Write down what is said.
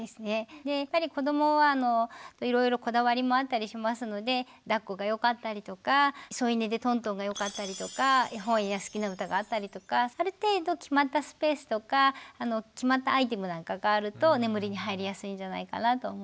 やっぱり子どもはいろいろこだわりもあったりしますのでだっこが良かったりとか添い寝でトントンが良かったりとか絵本や好きな歌があったりとかある程度決まったスペースとか決まったアイテムなんかがあると眠りに入りやすいんじゃないかなと思います。